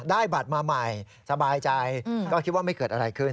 ได้บัตรมาใหม่สบายใจก็คิดว่าไม่เกิดอะไรขึ้น